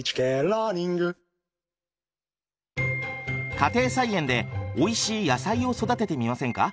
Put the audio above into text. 家庭菜園でおいしい野菜を育ててみませんか？